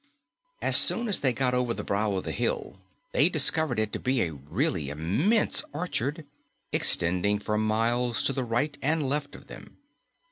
As soon as they got over the brow of the hill, they discovered it to be a really immense orchard, extending for miles to the right and left of them.